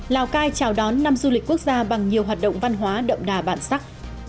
lào cai chào đón năm du lịch quốc gia bằng nhiều hoạt động văn hóa đậm đà bản sắc